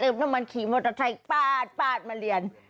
เติมน้ำมันขี่มอเตอร์ไทยป๊าดมาเรียน